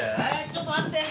ちょっと待って！